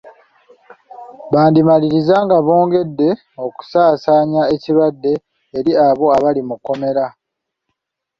Bandimaliriza nga bongedde okusaasaanya ekirwadde eri abo abali mu kkomera.